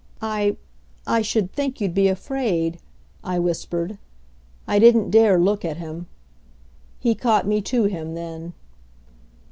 "I I should think you'd be afraid," I whispered. I didn't dare look at him. He caught me to him then.